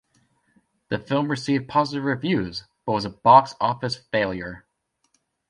The film received positive reviews but was a box office failure.